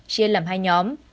chia làm hai nhóm